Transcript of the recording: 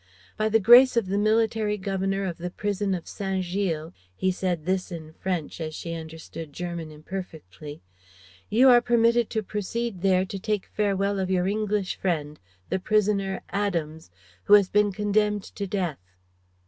"By the grace of the military governor of the prison of Saint Gilles" he said this in French as she understood German imperfectly "you are permitted to proceed there to take farewell of your English friend, the prisoner A dams, who has been condemned to death."